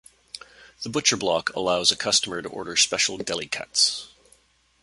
The Butcher Block allows a customer to order special deli cuts.